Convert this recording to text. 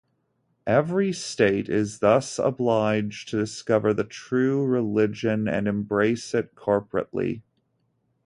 Every state is thus obliged to discover the true religion and embrace it corporately.